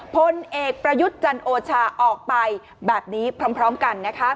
พลเอกประยุทธ์จันโอชาออกไปแบบนี้พร้อมกันนะคะ